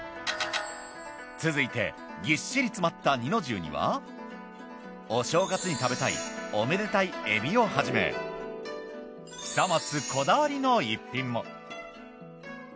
続いてぎっしり詰まった弐の重にはお正月に食べたいおめでたい海老をはじめ久松こだわりの逸品も。